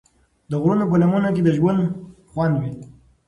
د غرونو په لمنو کې د ژوند خوند وي.